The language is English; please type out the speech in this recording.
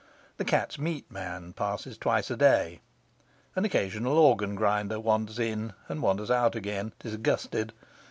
The cat's meat man passes twice a day. An occasional organ grinder wanders in and wanders out again, disgusted.